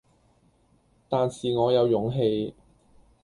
但是我有勇氣，